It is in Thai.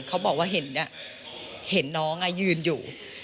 เขาบอกว่าเห็นน้องยืนอยู่